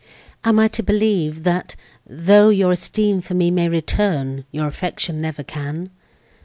am I to believe, that, though your esteem for me may return—your affection never can?